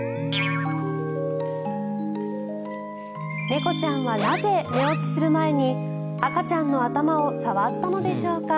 猫ちゃんは、なぜ寝落ちする前に赤ちゃんの頭を触ったのでしょうか。